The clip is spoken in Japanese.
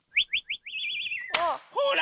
ほら。